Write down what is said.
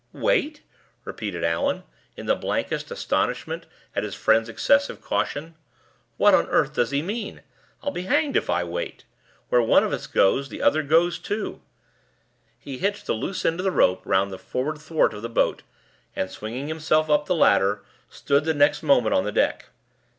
"Wait?" repeated Allan, in the blankest astonishment at his friend's excessive caution. "What on earth does he mean? I'll be hanged if I wait. Where one of us goes, the other goes too!" He hitched the loose end of the rope round the forward thwart of the boat, and, swinging himself up the ladder, stood the next moment on the deck.